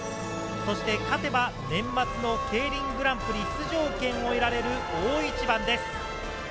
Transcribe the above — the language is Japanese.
そして勝てば、年末のＫＥＩＲＩＮグランプリ出場権を得られる大一番です。